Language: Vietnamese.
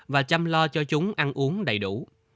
và chăm lo cho chúng ăn uống đầy đủ